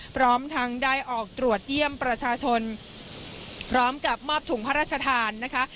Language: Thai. พร้อมทั้งได้ออกตรวจเยี่ยมประชาชนพร้อมกับมอบถุงพระราชทานนะคะ